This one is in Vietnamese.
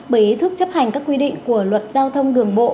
bởi ý thức chấp hành các quy định của luật giao thông đường bộ